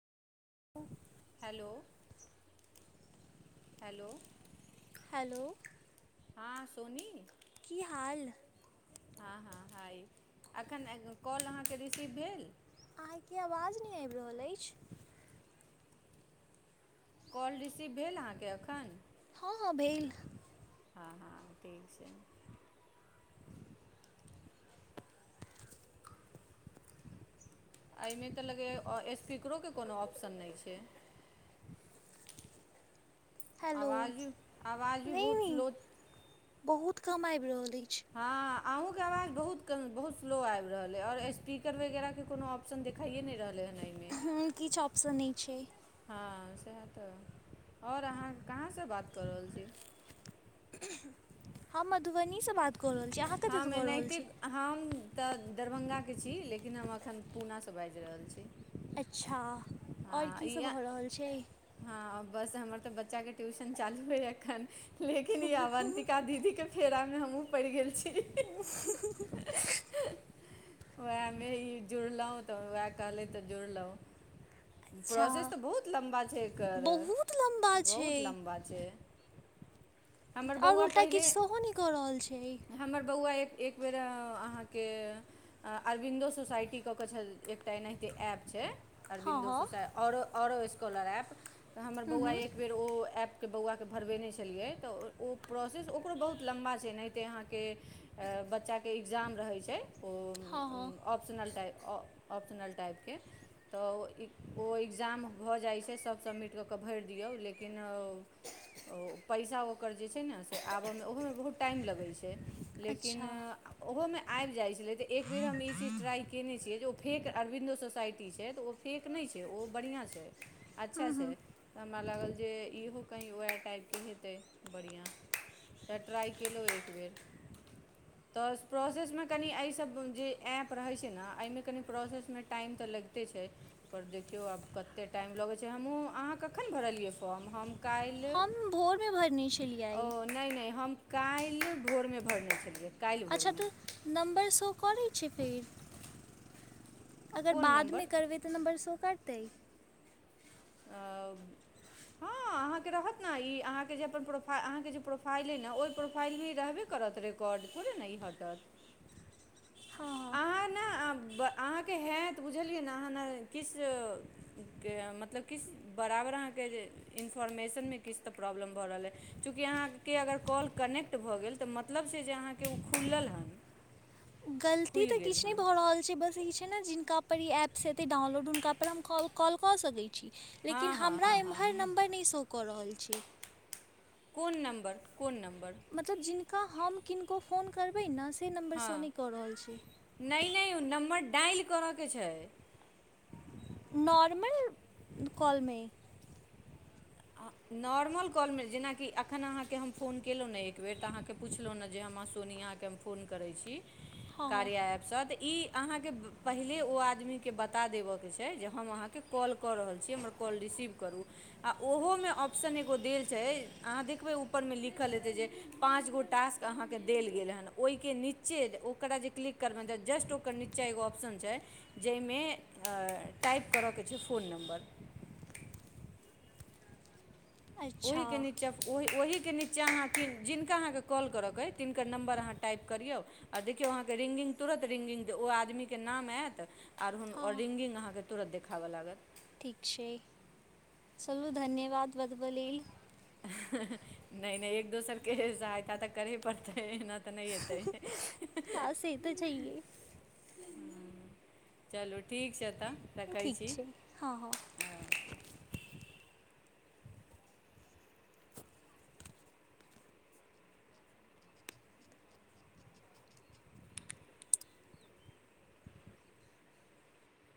[inaudible] Hello hello hello हँ सोनी की हाल? हाँ-हाँ-हाँ ई एखन कॉल अहाँके रिसीव भेल? अहाँके आवाज नहि आइब रहल अइच। कॉल रिसीव भेल अहाँके एखन? हाँ भेल। हाँ- हाँ ठीक छै। [inaudible] एहिमे तऽ लगै स्पीकरोके कोनो ऑप्शन नहि छै? हेलो आवाज आवाज भी नहि बहुत नहि स्लो बहुत कम आइब रहल अइच। हाँ अहहुँं के आवाज बहुत कम बहुत स्लो आबि रहल अइ आओर स्पीकर वगैरहके कोनो ऑप्शन देखाइए नहि रहलै हन एहिमे। किछु ऑप्शन नहि छै। हाँ स एह तऽ आओर अहाँ कहाँसँ बात कऽ रहल छी? हमँ मधुबनी से बात कऽ रहल छी अहाँ कतयसँ हम कऽ रहल एनहिते छी हम तऽ दरभङ्गाके छी लेकिन हम अखन पुणा सँ बाजि रहल छी। अच्छा आओर हँ की ई सब भऽ रहल छै? हँ बस हमर तऽ बच्चा के ट्यूशन चालू भेल एखन। लेकिन इ अवन्तिका दीदी के फेरा मे हमहुँ पड़ि गेल छी। उएह मे ई जुड़लहुँ तऽ उएह कहलैथ तऽ जुड़लहुँ। अच्छा प्रोसेस तऽ बहुत लम्बा छै एकर, बहुत लम्बा छै बहुत लम्बा छै। हमर आओर बौआ उल्टा किछ पहिले सेहो नहि कऽ रहल छै। हमर बौआ एक एकबेर अहाँके अरविन्दो सोसाइटी कऽ के छल एकटा एनाहिते ऐप छै, हँ अरविन्दो हँ सोसाइ आओरो आओरो स्कॉलर ऐप्प तऽ हमर हूँ बौआ हूँ एकबेर ओ एप के बौआ के भरबेने छलियै तऽ ओ प्रोसेस ओकरो बहुत लम्बा छै एनाहिते अहाँके बच्चाके एग्जाम रहै छै ओ हँ हँ ऑप्शनल टाइ ऑप्शनल टाइपके, तऽ ओ एग्जाम भऽ जाइत छै सभ सबमिट कऽ कऽ भरि दियौ लेकिन ओ पैसा ओकर जे छै ने से आबय मे ओहो मे बहुत टाइम लगै छै अच्छा लेकिन ओहो मे आबि जाइ छलै तऽ एक एक बेर हम ई चीज ट्राइ कयने छियै जे ओ फेक अरविन्दो सोसाइटी छै तऽ ओ फेक नहि छै ओ बढ़िआँ छै। अच्छा हूँ छै हूँ हमरा लागल जे इहो कहीं वएह टाइप के हेतै बढ़िआँ, तऽ ट्राइ केलहुँ एक बेर तऽ प्रोसेस मे कनि एहिसभ जे एप रहै छै ने एहिमे कनि प्रोसेस मे टाइम तऽ लगिते छै। पर देखियौ आब कतेक टाइम लगै छै हमहूँ अहाँ कखन भरलियै फॉर्म हम काल्हि हम भोर मे भरने छलियइ। ओ नहि नहि हम काइल्हि भोरमे भरने छलियै। काल्हि अच्छा भोरमे तऽ नम्बर सॅं करै छै पेड अगर कोन बाद नम्बर मे करबै तऽ नम्बर से करतै? आ हँ अहांके रहत ने ई अहांके जे प्रोफाइल अहांके जे प्रोफाइल अइ ने ओहि प्रोफाइल मे ई रहबे करत कोड थोड़े ने ई हटत। हँ अहाँ ने अहाँ केँ हेएत बुझलियै ने अहाँ ने किछ के मतलब किछ बराबर अहाँके जे इन्फॉर्मेशन मे किछ तऽ प्रॉब्लम भऽ रहल अइ। चूँकि अहाँकेँ अगर कॉल कनेक्ट भऽ गेल तऽ मतलब छै जे अहाँकेँ ओ खुलल हन। गलती खुलि तऽ गेल किछु नहि हन भऽ रहल छै बस ई छै ने जिनका पर ई एप्स हेतै डाउनलोड हुनका पर हम कॉल कॉल क सकै हँ लेकिन हँ हमरा हँ हँ एम्हर नम्बर नहि शो कऽ रहल छै। कोन नम्बर कोन नम्बर, मतलब जिनका हम किनको फोन करबै ने से नम्बर शो हँ नहि कऽ रहल छै। नहि नहि ओ नम्बर डायल करऽ के छै। नार्मल काॅल मे, नॉर्मल कॉल मे जेनाकि एखन अहाँके हम फोन केलहुँ ने एक बेेर तऽ अहाँके पुछलहुँ ने जे हमरा सोनिया के हम फोन करै छी, हँ कार्या ऐप सेएह तऽ ई अहाँके पहिले ओ आदमीके बता देबऽके छै जे हम अहाँके कॉल कऽ रहल छी हमर कॉल रिसीव करू आ ओहोमे ऑप्शन एगो देल छैय अहाँ देखबै ऊपरमे लिखल हेतै जे पाँच गो टास्क अहाँके देल गेल हेन ओहिके नीचे ओकरा जे क्लिक करबेन जस्ट ओकर नीचे। चाह एगो ऑप्शन छैय जाहिमे टाइप करऽके छैय फोन नम्बर। ओहि अच्छा के नीचा ओहि ओहिके निचा अहाँ जिनका अहाँके कॉल करऽके अइ तिनकर नम्बर अहाँ टाइप करियौ। आ देखियौ अहाँके रिंगिंग तुरन्त रिंगिंग दे ओ आदमीके नाम आयत। आर हुन हँ और रिंगिंग अहाँके तुरत देखाबऽ लागत। ठीक छैय चलू धन्यवाद बत बऽ लेल। नहि नहि एक दोसरके सहायता तऽ करहे पड़तै एहना। तऽ नहि एतै। हँ से तऽ छैहे चलू ठीक छैय तऽ। रखै ठीक छी छैय हँ हँ।